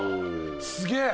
すげえ！